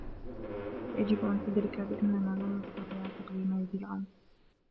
يجب أن تدرك بأننا لن نستطيع تقديم يد العون.